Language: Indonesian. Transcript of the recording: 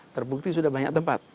terbukti sudah banyak tempat